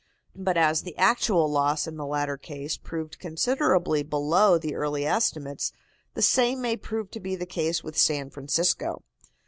But as the actual loss in the latter case proved considerably below the early estimates, the same may prove to be the case with San Francisco.